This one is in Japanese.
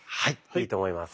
いいと思います。